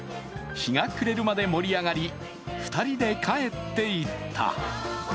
日が暮れるまで盛り上がり２人で帰っていった。